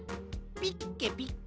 「ピッケピッケ」？